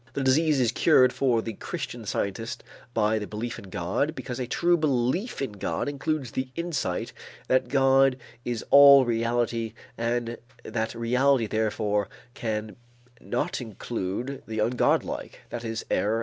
The disease is cured for the Christian Scientist by the belief in God because a true belief in God includes the insight that God is all reality and that reality therefore cannot include the ungodlike, that is, error and sin and disease.